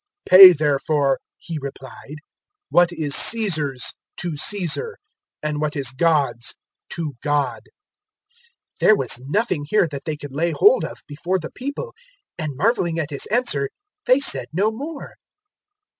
020:025 "Pay therefore," He replied, "what is Caesar's to Caesar and what is God's to God." 020:026 There was nothing here that they could lay hold of before the people, and marvelling at His answer they said no more.